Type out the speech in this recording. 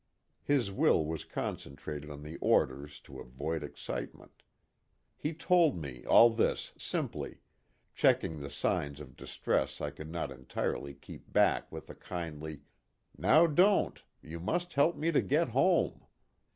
His will was concentrated on the orders to avoid excitement. He told me all this simply, checking the signs of distress I could not entirely keep back with a kindly "Now don't you must help me to get home."